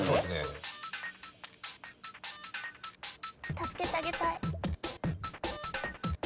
助けてあげたい。